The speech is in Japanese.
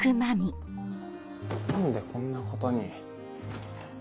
何でこんなことに。